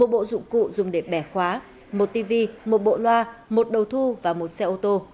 một bộ dụng cụ dùng để bẻ khóa một tv một bộ loa một đầu thu và một xe ô tô